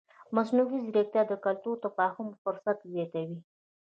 مصنوعي ځیرکتیا د کلتوري تفاهم فرصت زیاتوي.